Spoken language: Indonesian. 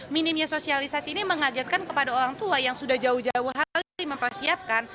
minimnya sosialisasi ini mengagetkan kepada orang tua yang sudah jauh jauh hari mempersiapkan